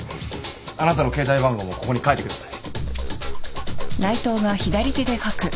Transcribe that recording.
あなたの携帯番号もここに書いてください。